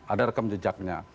ada rekam jejaknya